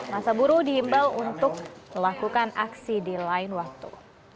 masa buru dihimbau untuk melakukan aksi di lain waktu